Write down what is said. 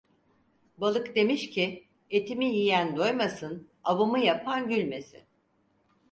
Balık demiş ki: Etimi yiyen doymasın, avımı yapan gülmesin.